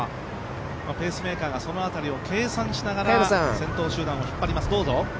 ペースメーカーがそのあたりを計算しながら先頭集団を引っ張ります。